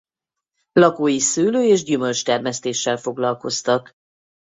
Lakói szőlő- és gyümölcstermesztéssel foglalkoztak.